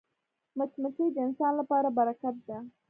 مچمچۍ د انسان لپاره برکت ده